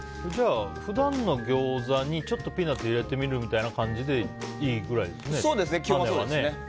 普段のギョーザにちょっとピーナツを入れてみるみたいな感じでいいくらいですね。